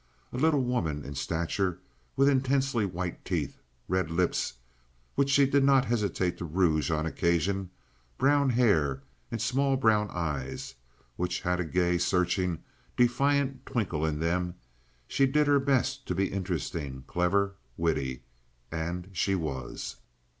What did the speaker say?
A little woman in stature, with intensely white teeth, red lips which she did not hesitate to rouge on occasion, brown hair, and small brown eyes which had a gay, searching, defiant twinkle in them, she did her best to be interesting, clever, witty, and she was.